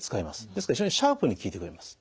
ですから非常にシャープに効いてくれます。